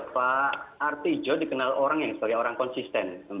pak arti jok dikenal orang yang sebagai orang konsisten